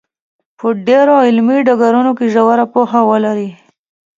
په ډېرو علمي ډګرونو کې ژوره پوهه ولري.